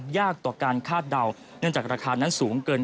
ยากต่อการคาดเดาเนื่องจากราคานั้นสูงเกิน